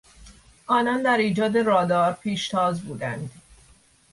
آنان در ایجاد رادار پیشتاز بودند.